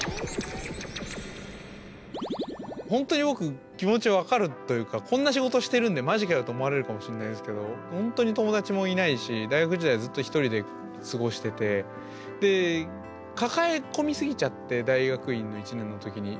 本当に僕気持ち分かるというかこんな仕事してるんでまじかよと思われるかもしれないですけど本当に友達もいないし大学時代ずっと一人で過ごしててで抱え込みすぎちゃって大学院の１年の時に。